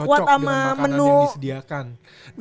dengan makanan yang disediakan gak kuat sama menu